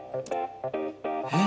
えっ！